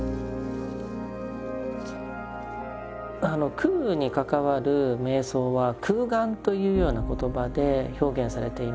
空に関わる瞑想は「空観」というような言葉で表現されています。